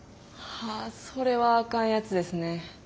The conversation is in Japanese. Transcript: あそれはあかんやつですね。